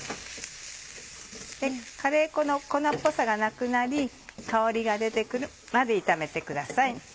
カレー粉の粉っぽさがなくなり香りが出て来るまで炒めてください。